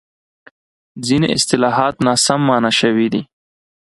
ځینې اصطلاحات ناسم مانا شوي دي.